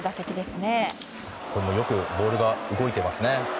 よくボールが動いていますね。